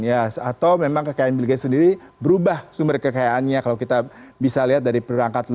ya atau memang kekayaan bill gates sendiri berubah sumber kekayaannya